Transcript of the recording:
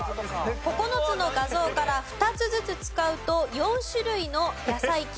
９つの画像から２つずつ使うと４種類の野菜きのこができます。